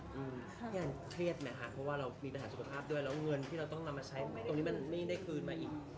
พี่แอนเครียดไหมคะเพราะว่าเรามีปัญหาสุขภาพด้วยแล้วเงินที่เราต้องนำมาใช้ตรงนี้มันไม่ได้คืนมาอีก